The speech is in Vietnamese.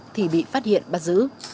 thì bị phát hiện bắt giữ